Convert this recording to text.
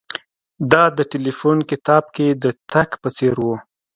دا د ټیلیفون کتاب کې د تګ په څیر و